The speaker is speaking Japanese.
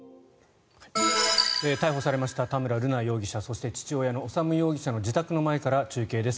逮捕されました田村瑠奈容疑者そして、父親の修容疑者の自宅の前から中継です。